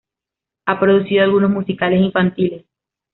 Ha producido algunos musicales infantiles.